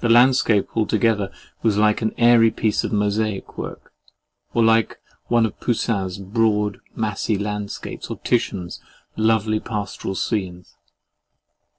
The landscape altogether was like an airy piece of mosaic work, or like one of Poussin's broad massy landscapes or Titian's lovely pastoral scenes.